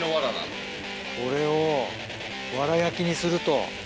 これをワラ焼きにすると。